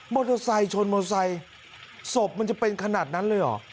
โมโทไซต์ชนโมโทไซต์ศพมันจะเป็นขนาดนั้นเลยหรอ